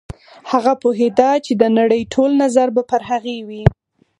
هغه پوهېده چې د نړۍ ټول نظر به پر هغې وي.